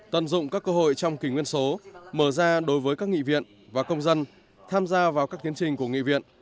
tận dụng các cơ hội trong kỷ nguyên số mở ra đối với các nghị viện và công dân tham gia vào các tiến trình của nghị viện